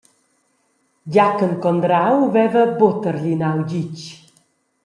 Giachen Condrau veva buca targlinau ditg.